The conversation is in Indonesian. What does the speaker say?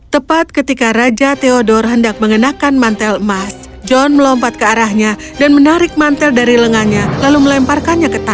tepat ketika raja theodor hendak mengenakan mantel emas john melompat ke arahnya dan menarik mantel dari lengannya lalu melemparkannya ke tanah